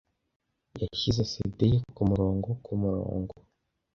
Yashyize CD ye kumurongo kumurongo.